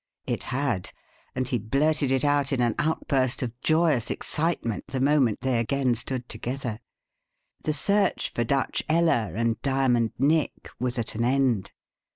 It had and he blurted it out in an outburst of joyous excitement the moment they again stood together. The search for Dutch Ella and Diamond Nick was at an end.